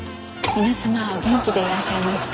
皆様お元気でいらっしゃいますか？